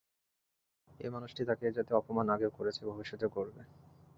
এই মানুষটি তাঁকে এ-জাতীয় অপমান আগেও করেছে, ভবিষ্যতেও করবে।